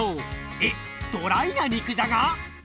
えっドライな肉じゃが？